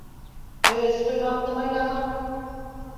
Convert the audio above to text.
- Өс ҡоймаҡты майланыҡ!